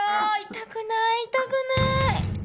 痛くない痛くない。